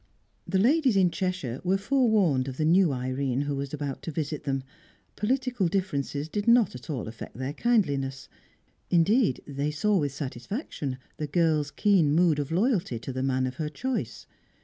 The ladies in Cheshire were forewarned of the new Irene who was about to visit them; political differences did not at all affect their kindliness; indeed, they saw with satisfaction the girl's keen mood of loyalty to the man of her choice.